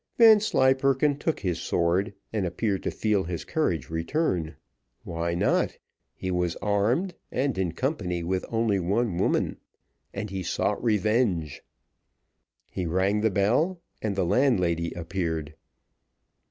Vanslyperken took his sword, and appeared to feel his courage return why not? he was armed, and in company with only one woman, and he sought revenge. He rang the bell, and the landlady appeared.